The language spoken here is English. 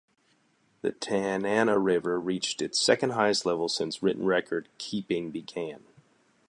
The Tanana River reached its second-highest level since written record keeping began.